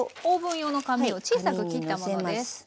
オーブン用の紙を小さく切ったものです。